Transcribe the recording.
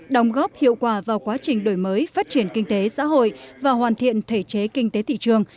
đồng góp hiệu quả vào quá trình đổi mới phát triển kinh tế xã hội và hoàn thiện thể chế kinh tế thị trường